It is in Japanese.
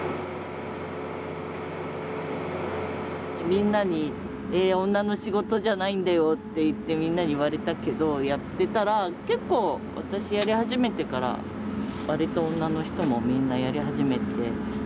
みんなに「えー女の仕事じゃないんだよ」ってみんなに言われたけどやってたらけっこう私やりはじめてからわりと女の人もみんなやりはじめて。